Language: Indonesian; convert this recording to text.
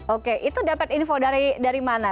oke itu dapat info dari mana